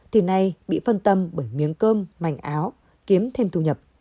thì nay bị phân tâm bởi miếng cơm mảnh áo kiếm thêm thu nhập